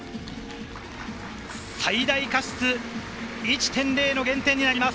最大過失１．０の減点になります。